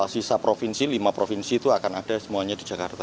sisa provinsi lima provinsi itu akan ada semuanya di jakarta